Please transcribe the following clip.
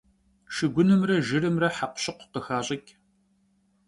Şşıgunımre jjırımre hekhu - şıkhu khıxaş'ıç'.